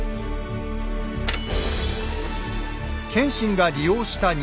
謙信が利用した日本海。